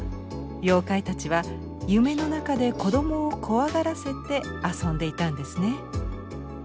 妖怪たちは夢の中で子どもを怖がらせて遊んでいたんですね。